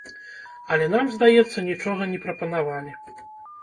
Але нам, здаецца, нічога не прапанавалі.